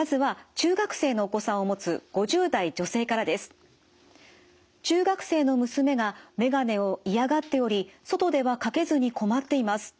中学生の娘が眼鏡を嫌がっており外ではかけずに困っています。